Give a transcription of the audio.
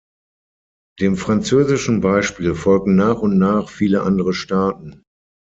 Dem französischen Beispiel folgten nach und nach viele andere Staaten.